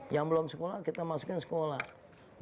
yang belum masuk sekolah kami masukkan ke sekolah